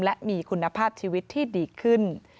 และมีคุณภาพชีวิตที่ดีขึ้น